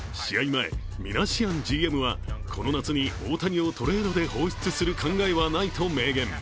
前、ミナシアンＧＭはこの夏に大谷をトレードで放出する考えはないと明言。